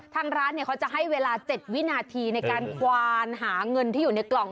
ทางร้านเขาจะให้เวลา๗วินาทีในการควานหาเงินที่อยู่ในกล่อง